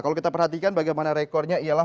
kalau kita perhatikan bagaimana rekornya ialah